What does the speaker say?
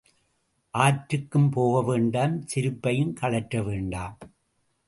ஆற்றுக்கும் போகவேண்டாம் செருப்பையும் கழற்ற வேண்டாம்.